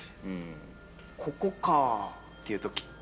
「ここかぁ」っていうとき。